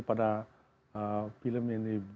setujui untuk menurangi emisi